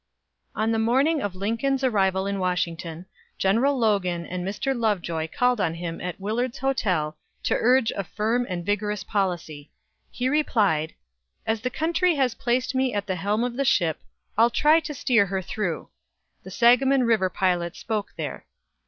On the morning of Lincoln's arrival in Washington, General Logan and Mr. Lovejoy called on him at Willard's Hotel, to urge a firm and vigorous policy. He replied: "As the country has placed me at the helm of the ship, I'll try to steer her through." The Sangamon River pilot spoke there.